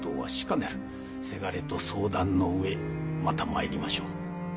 伜と相談の上また参りましょう。